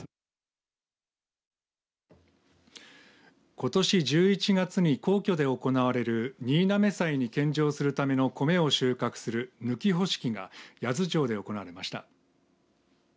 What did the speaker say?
ことし１１月に皇居で行われる新嘗祭に献上するための米を収穫する抜穂式が八頭町で行われました。